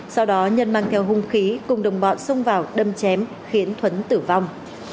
sau đó nhân mang theo hung khí cùng đồng bọn xông vào đâm chém khiến thuấn tử vong